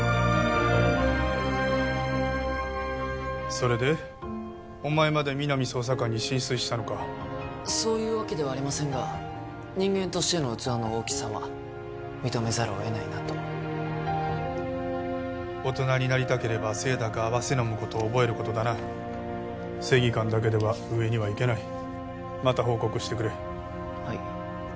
それでお前まで皆実捜査官に心酔したのかそういうわけではありませんが人間としての器の大きさは認めざるを得ないなと大人になりたければ清濁併せのむことを覚えることだな正義感だけでは上には行けないまた報告してくれはい